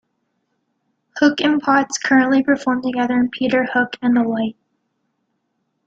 Hook and Potts currently perform together in Peter Hook and The Light.